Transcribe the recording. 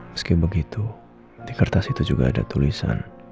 meski begitu di kertas itu juga ada tulisan